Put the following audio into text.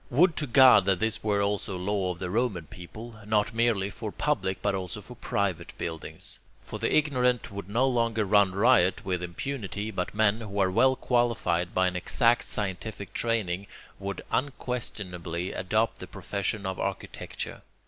Would to God that this were also a law of the Roman people, not merely for public, but also for private buildings. For the ignorant would no longer run riot with impunity, but men who are well qualified by an exact scientific training would unquestionably adopt the profession of architecture.